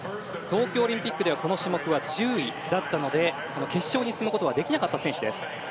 東京オリンピックではこの種目は１０位だったので決勝に進むことはできなかった選手です。